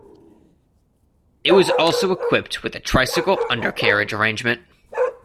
It was also equipped with a tricycle undercarriage arrangement.